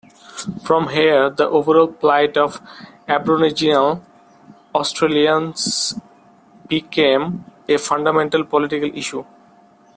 From here, the overall plight of Aboriginal Australians became a fundamental political issue.